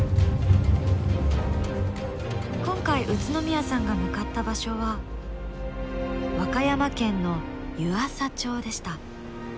今回宇都宮さんが向かった場所は和歌山県の湯浅町でした。